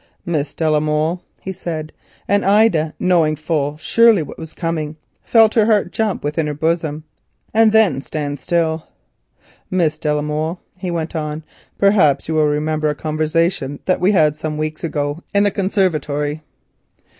"Miss de la Molle," he said, and Ida, knowing full surely what was coming, felt her heart jump within her bosom and then stand still. "Miss de la Molle," he repeated, "perhaps you will remember a conversation that passed between us some weeks ago in the conservatory?"